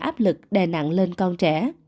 áp lực đè nặng lên con trẻ